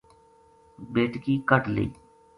بیٹکی کَڈھ لئی